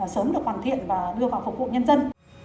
sớm được hoàn thiện và đưa vào phục vụ nhân dân